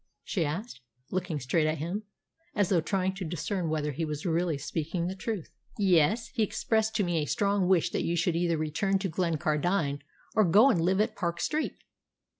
she asked, looking straight at him, as though trying to discern whether he was really speaking the truth. "Yes. He expressed to me a strong wish that you should either return to Glencardine or go and live at Park Street."